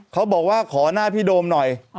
เขาบอกว่าขอหน้าพี่โดมหน่อย